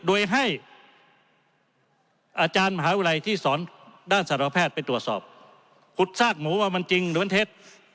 โดยให้อาจารย์มหาวิทยาลัยที่สอนด้านสารแพทย์ไปตรวจสอบขุดซากหมูว่ามันจริงหรือมันเท็จ